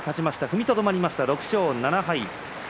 踏みとどまりました６勝７敗です。